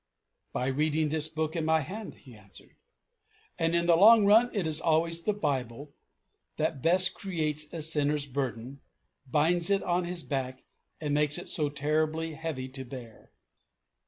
"By reading this book in my hand," he answered. And, in the long run, it is always the Bible that best creates a sinner's burden, binds it on his back, and makes it so terribly heavy to bear.